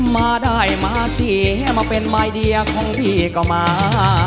มาได้มาเสียมาเป็นมายเดียของพี่ก็มา